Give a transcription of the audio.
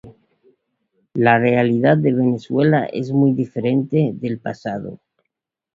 La realidad de Venezuela es muy diferente del pasado.